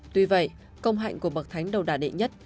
tuy vậy công hạnh của bậc thánh đầu đà đệ nhất